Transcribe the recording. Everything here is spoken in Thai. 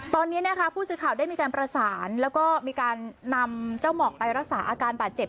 ตอนนี้นะคะผู้สื่อข่าวได้มีการประสานแล้วก็มีการนำเจ้าหมอกไปรักษาอาการบาดเจ็บ